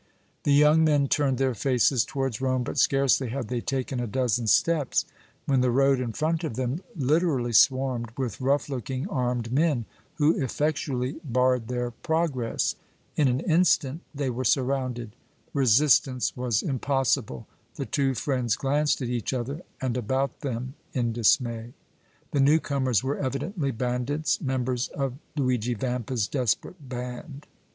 The young men turned their faces towards Rome, but scarcely had they taken a dozen steps when the road in front of them literally swarmed with rough looking armed men, who effectually barred their progress. In an instant they were surrounded. Resistance was impossible; the two friends glanced at each other and about them in dismay. The new comers were evidently bandits, members of Luigi Vampa's desperate band.